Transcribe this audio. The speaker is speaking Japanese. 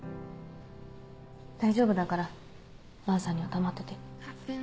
大丈夫だから萬さんには黙ってて。